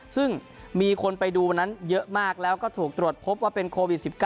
ซึ่งมีคนไปดูวันนั้นเยอะมากแล้วก็ถูกตรวจพบว่าเป็นโควิด๑๙